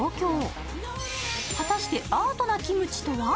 果たしてアートなキムチとは？